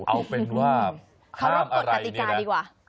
เอาเป็นว่าห้ามอะไรนี่แหละเขารับกฎตัติกาดีกว่า